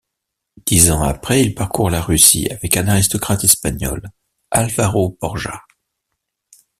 Dix ans après, il parcourt la Russie avec un aristocrate espagnol, Alvaro Borja.